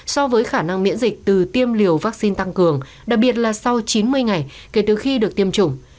so với khả năng miễn dịch từ tiêm liều vaccine tăng cường đặc biệt là sau chín mươi ngày kể từ khi được tiêm chủng